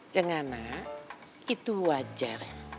cengana itu wajar